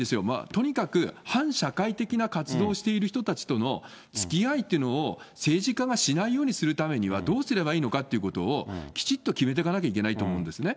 とにかく反社会的な活動をしている人たちとのつきあいっていうのを、政治家がしないようにするためには、どうすればいいのかっていうことを、きちっと決めていかなきゃいけないと思うんですね。